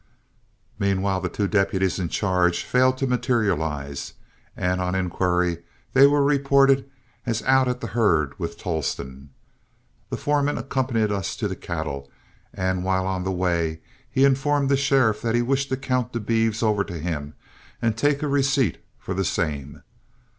Meanwhile the two deputies in charge failed to materialize, and on inquiry they were reported as out at the herd with Tolleston. The foreman accompanied us to the cattle, and while on the way he informed the sheriff that he wished to count the beeves over to him and take a receipt for the same.